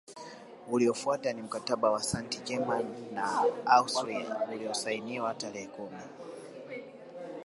Uliofuata ni Mkataba wa Sant Germain na Austria uliosainiwa tarehe kumi